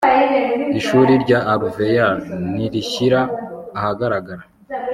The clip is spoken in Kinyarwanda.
Ishuri rya Alvear ntirishyira ahagaragara